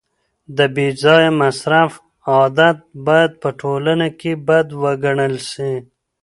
د بې ځایه مصرف عادت باید په ټولنه کي بد وګڼل سي.